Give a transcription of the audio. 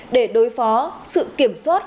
để đối phó sự kiểm soát